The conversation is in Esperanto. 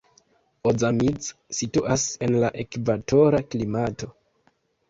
Ozamiz situas en la ekvatora klimato.